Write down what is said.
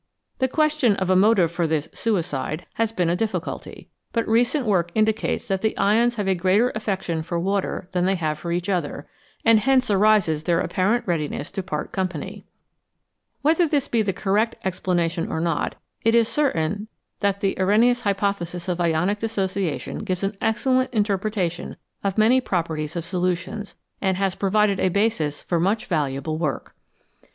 The question of a motive for this " suicide " has been a difficulty, but recent work indicates that the ions have a greater affection for water than they have for each other, and hence arises their apparent readiness to part company. Whether this be the correct explanation or not, it is certain that the Arrhenius hypothesis of ionic dissociation gives an excellent in terpretation of many properties of solutions, and has provided a basis for much valuable work.